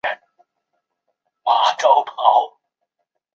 查理拿了克莱尔最爱的花生酱给她。